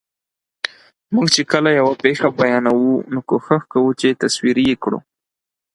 موږ چې کله یوه پېښه بیانوو، نو کوښښ کوو چې تصویري یې کړو.